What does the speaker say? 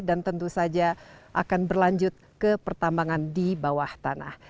dan tentu saja akan berlanjut ke pertambangan di bawah tanah